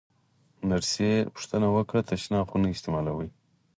نرسې پوښتنه وکړه: تشناب خو نه استعمالوې؟